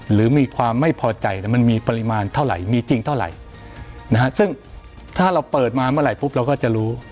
หรือมีความไม่พอใจมันมีปริมาณเท่าไหร่มีจริงเท่าไหร่นะฮะซึ่งถ้าเราเปิดมาเมื่อไหร่ปุ๊บเราก็จะรู้